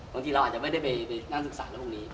บางทีเราอาจจะไม่ได้ไปงานศึกษาแล้วพวกนี้